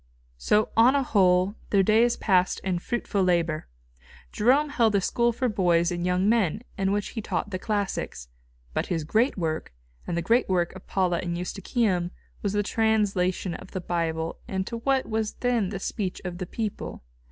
So on a whole their days passed in fruitful labour. Jerome held a school for boys and young men, in which he taught the classics. But his great work, and the great work of Paula and Eustochium, was the translation of the Bible into what was then the speech of the people.